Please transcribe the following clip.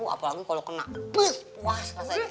apalagi kalo kena pus puas rasanya